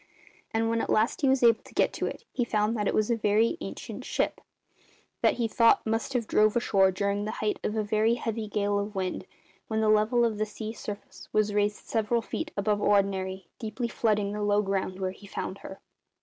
And when at last he was able to get to it he found that it was a very ancient ship, that he thought must have drove ashore during the height of a very heavy gale of wind, when the level of the sea surface was raised several feet above ordinary, deeply flooding the low ground where he found her.